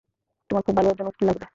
তোমার খুব ভালো একজন উকিল লাগবে।